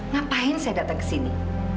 ngapain saya datang kesini